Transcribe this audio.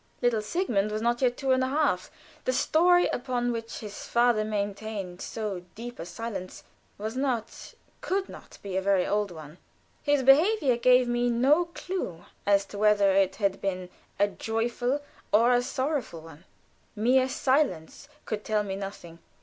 Little Sigmund was not yet two and a half. The story upon which his father maintained so deep a silence was not, could not, be a very old one. His behavior gave me no clew as to whether it had been a joyful or a sorrowful one. Mere silence could tell me nothing.